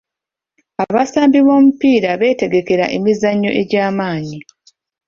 Abasambi b'omupiira beetegekera emizannyo egy'amaanyi.